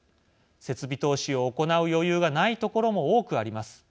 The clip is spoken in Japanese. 設備投資を行う余裕がないところも多くあります。